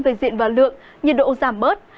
về diện và lượng nhiệt độ giảm bớt